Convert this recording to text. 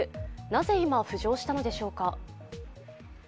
なぜ今浮上したのでしょうか。